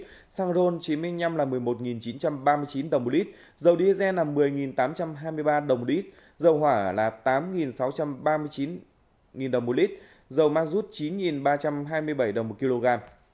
giá xăng ron chín mươi năm là một mươi một chín trăm ba mươi chín đồng một lít dầu diesel là một mươi tám trăm hai mươi ba đồng một lít dầu hỏa là tám sáu trăm ba mươi chín đồng một lít dầu ma rút chín ba trăm hai mươi bảy đồng một kg